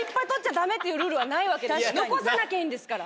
残さなきゃいいんですから。